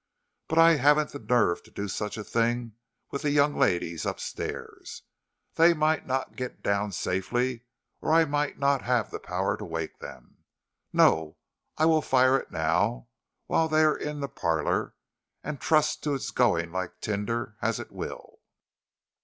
But I haven't the nerve to do such a thing with the young ladies up stairs. They might not get down safely, or I might not have the power to wake them. No, I will fire it now, while they are in the parlor, and trust to its going like tinder, as it will.